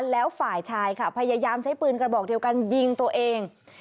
แล้วฝ่ายชายค่ะพยายามใช้ปืนกระบอกเดียวกันยิงตัวเอง